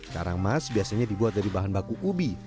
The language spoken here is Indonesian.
karang mas biasanya dibuat dari bahan baku ubi